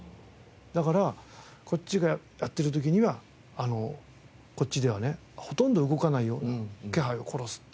だからこっちがやってる時にはこっちではねほとんど動かないような気配を殺すっていう。